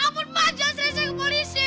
jangan sering sering ke polisi